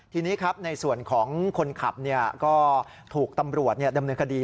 ทีนี้ครับในส่วนของคนขับก็ถูกตำรวจดำเนินคดี